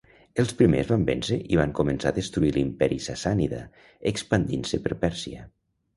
Els primers van vèncer i van començar a destruir l'Imperi Sassànida expandint-se per Pèrsia.